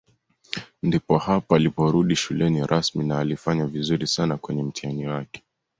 Ndipo hapo aliporudi shuleni rasmi na alifanya vizuri sana kwenye mtihani wake